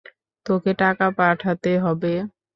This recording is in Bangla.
তোকে টাকা পাঠাতে হবে।